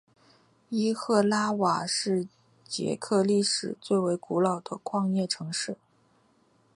伊赫拉瓦是捷克历史最为古老的矿业城市。